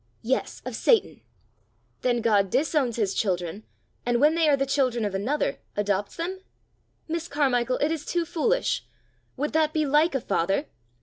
"Yes, of Satan." "Then God disowns his children, and when they are the children of another, adopts them? Miss Carmichael, it is too foolish! Would that be like a father?